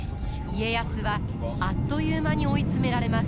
家康はあっという間に追い詰められます。